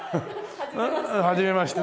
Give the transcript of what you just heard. はじめまして。